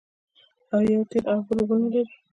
آیا یوه تېل او بل اوبه نلري؟